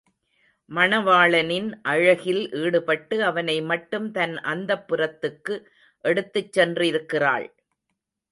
மணவாளனின் அழகில் ஈடுபட்டு அவனை மட்டும் தன் அந்தப்புரத்துக்கு எடுத்துச் சென்றிருக்கிறாள்.